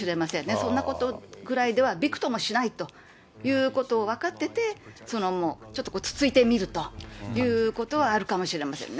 そんなことぐらいではびくともしないということを分かってて、ちょっとつついてみるということはあるかもしれませんね。